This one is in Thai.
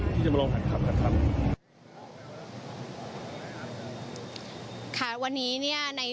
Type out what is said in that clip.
มั่นใจในนโยบายที่เราแถลงไปเมื่อวานี้